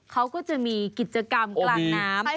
เขาก็จะมีกิจกรรมกลางน้ำ